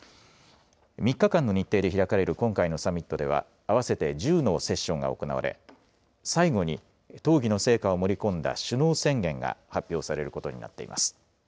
３日間の日程で開かれる今回のサミットでは、合わせて１０のセッションが行われ、最後に討議の成果を盛り込んだ首脳宣言が発表されることになっています。